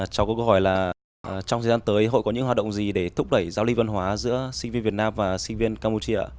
cháu có câu hỏi là trong thời gian tới hội có những hoạt động gì để thúc đẩy giao lưu văn hóa giữa sinh viên việt nam và sinh viên campuchia ạ